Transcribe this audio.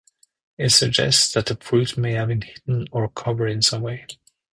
It suggests that the fruit may have been hidden or covered in some way.